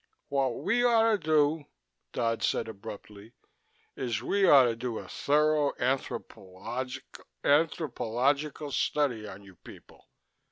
"What we ought to do," Dodd said abruptly, "is we ought to do a thorough anthropological anthropological study on you people.